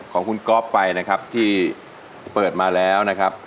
ของคุณก๊อฟไปนะครับที่เปิดมาแล้วนะครับ